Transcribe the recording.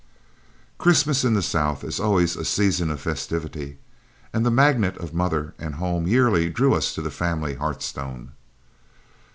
Christmas in the South is always a season of festivity, and the magnet of mother and home yearly drew us to the family hearthstone.